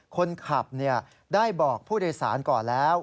คนขับได้บอกผู้โดยสารก่อนแล้ว